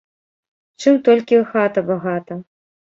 Чым толькі хата багата.